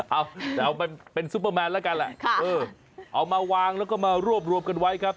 เอาแต่เอาเป็นซุปเปอร์แมนแล้วกันแหละเอามาวางแล้วก็มารวบรวมกันไว้ครับ